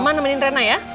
mama nemenin rena ya